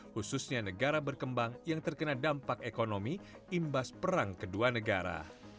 khususnya negara berkembang yang terkena dampak ekonomi imbas perang kedua negara